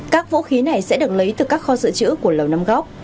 các vũ khí này sẽ được lấy từ các kho dự trữ của lầu năm góc